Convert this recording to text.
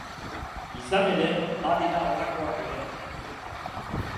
Izan ere, badira halakoak ere!